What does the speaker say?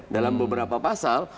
dalam beberapa pasal